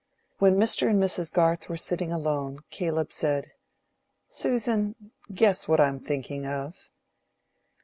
When Mr. and Mrs. Garth were sitting alone, Caleb said, "Susan, guess what I'm thinking of."